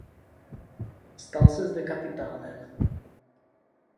Stal se zde kapitánem.